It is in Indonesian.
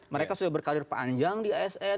mereka sudah berkarir panjang di asn